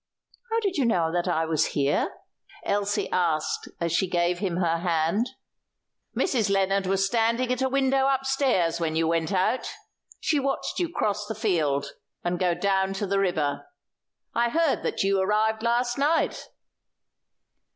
"How did you know that I was here?" Elsie asked as she gave him her hand. "Mrs. Lennard was standing at a window upstairs when you went out. She watched you cross the field and go down to the river. I heard that you arrived last night."